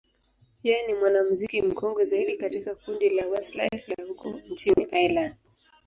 yeye ni mwanamuziki mkongwe zaidi katika kundi la Westlife la huko nchini Ireland.